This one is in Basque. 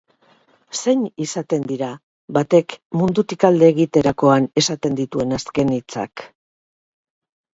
Zein izaten dira batek mundutik alde egiterakoan esaten dituen azken hitzak?